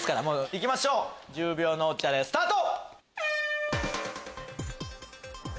いきましょう１０秒脳チャレスタート！